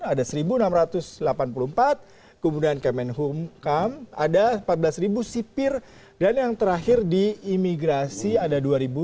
ada satu enam ratus delapan puluh empat kemudian kemenkumham ada empat belas sipir dan yang terakhir di imigrasi ada dua dua ratus dua puluh tujuh